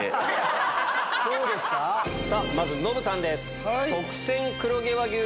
まずノブさんです。